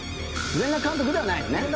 『全裸監督』ではないんですね？